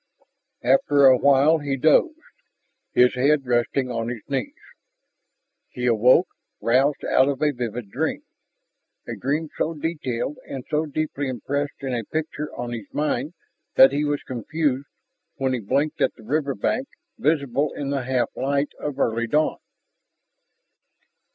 After a while he dozed, his head resting on his knees. He awoke, roused out of a vivid dream, a dream so detailed and so deeply impressed in a picture on his mind that he was confused when he blinked at the riverbank visible in the half light of early dawn.